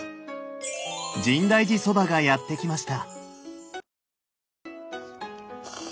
深大寺そばがやって来ました。